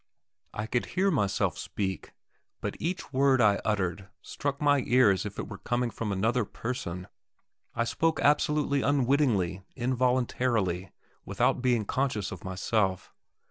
I could hear myself speak, but each word I uttered struck my ear as if it were coming from another person. I spoke absolutely unwittingly, involuntarily, without being conscious of myself.